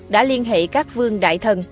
đã liên hệ các vương đại thần